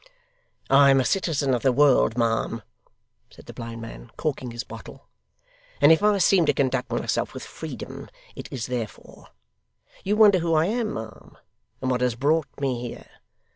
'I am a citizen of the world, ma'am,' said the blind man, corking his bottle, 'and if I seem to conduct myself with freedom, it is therefore. You wonder who I am, ma'am, and what has brought me here.